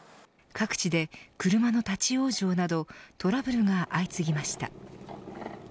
各地で車の立ち往生などトラブルが相次ぎました。